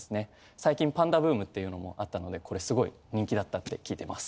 最近パンダブームっていうのもあったのでこれ凄い人気だったって聞いてます。